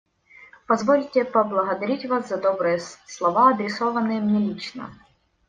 Позвольте поблагодарить вас за добрые слова, адресованные мне лично.